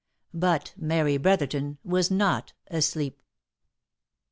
But Mary Brotherton was not asleep.